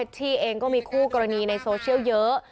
ที่เองก็มีคู่กรณีในโซเชียลเยอะ